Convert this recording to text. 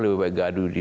ape senang terbuka dan